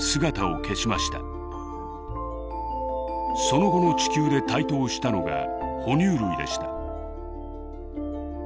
その後の地球で台頭したのが哺乳類でした。